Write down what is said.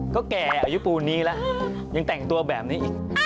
ก็แก่อายุปูนนี้แล้วยังแต่งตัวแบบนี้อีก